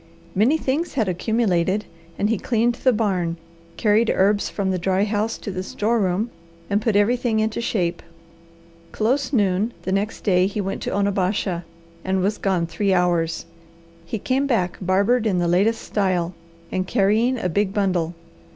Many things had accumulated, and he cleaned the barn, carried herbs from the dry house to the store room, and put everything into shape. Close noon the next day he went to Onabasha, and was gone three hours. He came back barbered in the latest style, and carrying a big bundle.